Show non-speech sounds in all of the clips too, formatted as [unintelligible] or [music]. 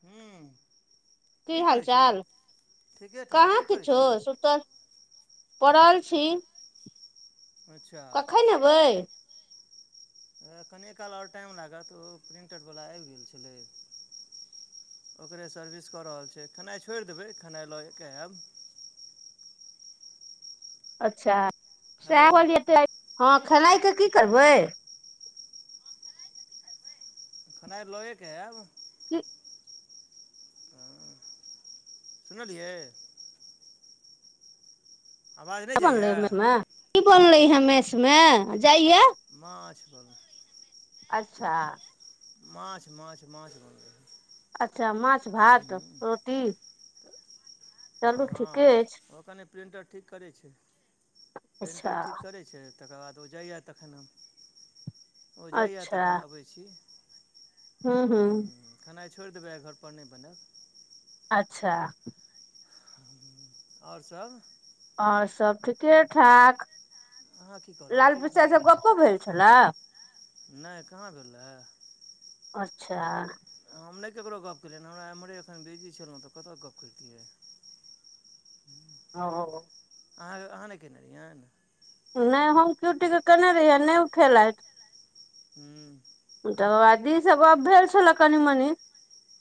हू। की हाल चाल? ठीके ठाक कहाँ की करै छियै किछौ सुतल पड़ल छी। अच्छा। कखैन अयबै? हो ऐं कनिये काल आओर टाइम लागत ओ प्रिंटरवला आबि गेल छलै। ओकरे सर्विस कऽ रहल छै। खेनाइ छोड़ि देबै खेनाइ लयेऽ कऽ आयब। अच्छा हेलो सएह कहलीयै ऐते राति हँ खनाइके की करबै? खेनाइ लऽऐ के आयब। ह हँ सुनलियै। आवाज नहि बनलै जाइए [unintelligible] की बनलै हे मेस मे जाइये। माछ बनलै। अच्छा। माछ, माछ, माछ बनलै। अच्छा माछ, भात, रोटी। चलू ठीके हँ अछि ओ कनि प्रिन्टर ठीक करै छै, अच्छा प्रिन्टर ठीक करै छै। तकर बाद ओ जाइया तखन हम, ओ जाइये अच्छा तखन अबै छी। हूँ हूँ हॅं खेनाइ छोड़ि देबै, आय घर पर नहि बनायब। अच्छा। आओर सब? आओर सब ठीके ठाक, अहाँ की कऽ रहल लाल छी पीसा एखन सऽ गप्पो भेल छलए? नहि कहाँ भेल अच्छा रहे। हम नहि ककरो गप्प केलियै हमरा एम्हरे एखन बिजी छलहुँ तऽ कतय गप्प करतियै। हू ह। अहाँ अहाँ नहि केने रहिैयेन? नहि हम क्यूटीके केने रहियै नहि उ खेलथि। ह्म्म। तकरबाद ईसभ गप्प भेल छलए कनि मनि।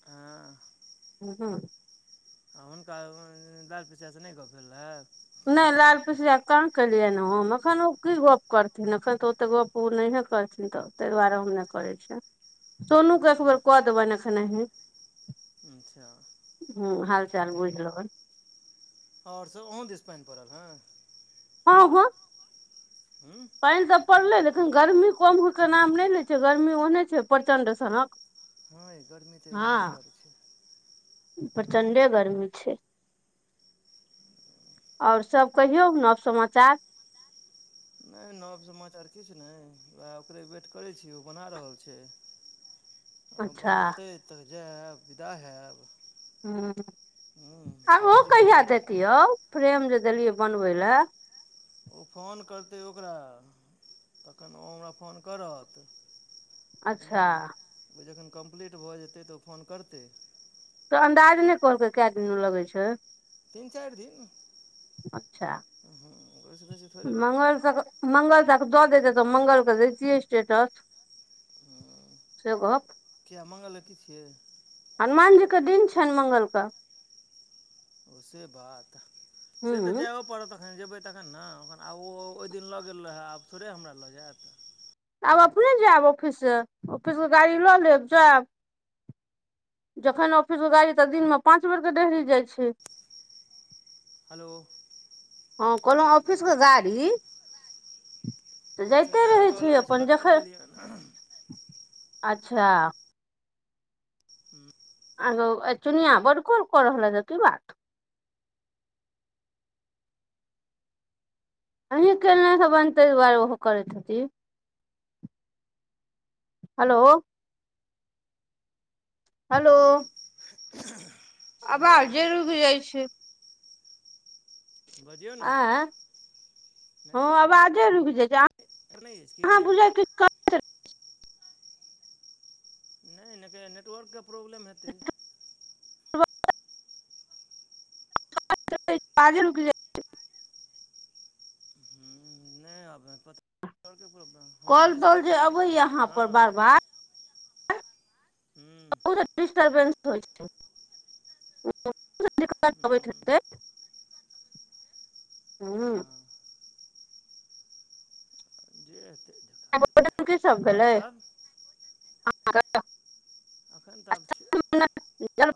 हँ। ह हू आ हुनका [unintelligible] लाल चाचा से नहि गप्प भेल रहे? नहि लाल पिछड़िया कहा केलियै ने उ एखन ओ की गप करथिन एखन तऽ ओते गप ओ नहिये करथिन तऽ ताहि दुआरे हम नहि करै छियै। सोनू के हूँ एकबेर कऽ देबैन एखन अही। अच्छा। हू हाल चाल बुइझ लेबइन। आओर सब अहोूँ दिस पानि पड़ल हँ? हँ हँ। हु। पानि तऽ पड़लै लेकिन गर्मी कम होइके नाम नहि लै छै गर्मी ओहने छै प्रचण्ड सनक। हँ गर्मी तऽ इ [unintelligible] बड़ छै। प्रचंडे गर्मी छैय। और सब कहियौ नव समाचार। नय नव समाचार किछ नय उहे ओकरे वेट करै छी उ बना रहल छैय। ओ अच्छा बनतै त जैब विदा हैब। ह हूँ आ ओ सब्जी कहिया किछु देत यौ फ्रेम जे देलियै बनबै लए। ओ फोन करतै ओकरा तखन ओ हमरा फोन करत। ह अच्छा ओ जखन कम्प्लीट भ जेतै त ओ फोन करतै। त अन्दाज नै कहलकै कै दिन लगय छैय। तीन, चारि दिन अच्छा ओय स बेसी थोड़े लगतै। मंगल तक मंगल तक द देयतै त मंगल के देैतियै स्टेटस से गप। किया मङ्गल के की छियै। हनुमान जीके दिन छैन मङ्गलके। ओ से बात से त हूँ जाइयो पड़त त जेबै तखन ने अखन आब ओ ओय दिन लऽ गेल रहै आब थोड़े हमरा लऽ जैत। आब अपने जैब ऑफिस से ऑफिसमे गाड़ी लऽ लेब जैब। जखन ऑफिसके गाड़ी त दिनमे पाँच बेरके डेहरी जाइ छैय। हलो। हँ कहलौं ऑफिसके गाड़ी त ओ जाइते चुनिआके रहै कॉल छैय अबै छलए अपन काटि जखन, देलियैन अच्छा हूँ। हलो आय चुनिया बड़ काॅल क रहल ए की बात। अही केने हेबैन तैय दुआरे ओहो करैत हेथि। हलो। हलो। हेलो आबाजे रुइक जाइ छैय। बजियौ ने एँ हँ आवाजे रुइक जाइ छैय आ त नहि अइछ की। [unintelligible] नय लगैये नेटवर्कके प्रॉब्लम हेतै। [unintelligible] काजे रुइक जा हँ नै आबे [unintelligible] आरके प्रोबलम हमरा कॉल देिश तॉल जे अबैया अहाँ पर हँ। बार बार हू। डिस्टर्बेंस होइ छैय [unintelligible] दिक्कत अबैत हुँ हेतय। हुँ। हँ जे हेतै से [unintelligible] की सब भेलय। एखन तऽ आब छै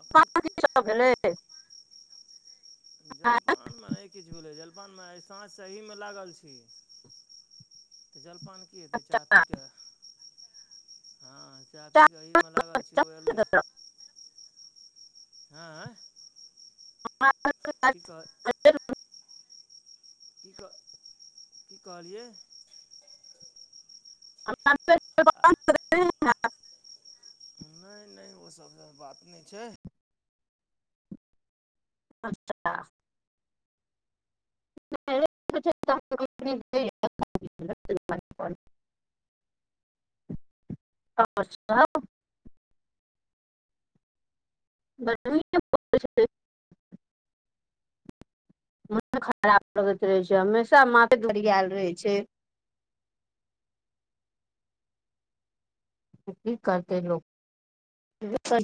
एखन की जलपान। नय किछ भेलइ जलपानमे आइ सांझ स अहीमे लागल छी त जलपान की हेतै चाह पीके हँ चाह पीके एहिमे लागल छी ओ एलै आँय। [inaudible] की कह की क की कहलियै। आ [unintelligible] नहि नहि ओ सब सँ बात नहि छै। अचछा [unintelligible] अछा और सब। [unintelligible] [unintelligible] मोने खराब लगैत रहै छै हमेशा माथे भरियाल रहै छै। की करतै लोक।